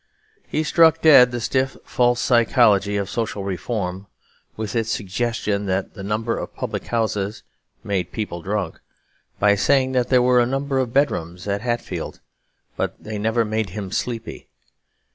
He struck dead the stiff and false psychology of "social reform," with its suggestion that the number of public houses made people drunk, by saying that there were a number of bedrooms at Hatfield, but they never made him sleepy.